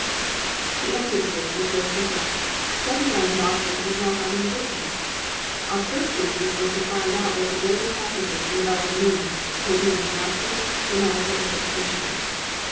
The answer to this is very simple. Reconciling doctrines is not our main business. Our first business is to find out what the various passages in the Bible mean, taken in their natural, grammatical interpretation.